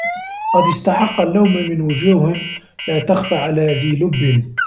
قَدْ اسْتَحَقَّ اللَّوْمَ مِنْ وُجُوهٍ لَا تَخْفَى عَلَى ذِي لُبٍّ